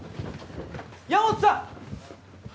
山本さん！